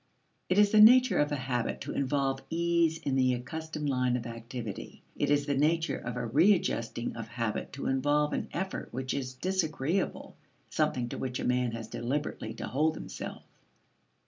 It is the nature of a habit to involve ease in the accustomed line of activity. It is the nature of a readjusting of habit to involve an effort which is disagreeable something to which a man has deliberately to hold himself.